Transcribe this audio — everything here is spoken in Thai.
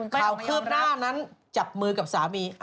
ข่าวเคลือบหน้านั่นจับมือกับสามี